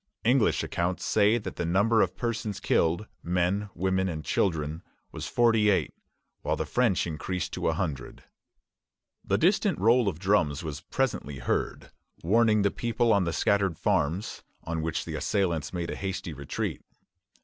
English accounts say that the number of persons killed men, women, and children was forty eight; which the French increase to a hundred. The distant roll of drums was presently heard, warning the people on the scattered farms; on which the assailants made a hasty retreat.